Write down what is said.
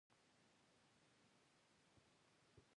سر يې ورښکل کړ.